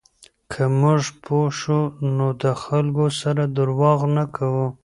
که موږ پوه شو، نو د خلکو سره درواغ نه کوو.